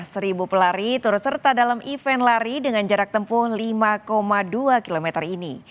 seribu pelari turut serta dalam event lari dengan jarak tempuh lima dua km ini